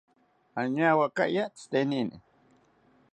Añawakaya tzitenini